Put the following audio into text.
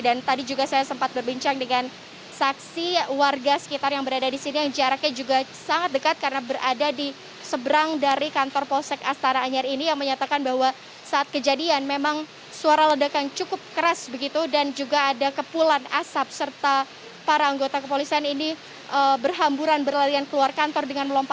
dan tadi juga saya sempat berbincang dengan saksi warga sekitar yang berada disini yang jaraknya juga sangat dekat karena berada di seberang dari kantor polsek astana anyar ini yang menyatakan bahwa saat kejadian memang suara ledakan cukup keras begitu dan juga ada kepulan asap serta para anggota kepolisian ini berhamburan berlarian keluar